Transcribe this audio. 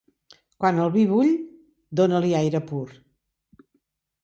Quan el vi bull, dona-li aire pur.